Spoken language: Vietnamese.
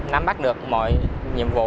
năm bắt được mọi nhiệm vụ